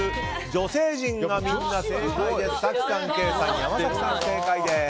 女性陣がみんな正解です。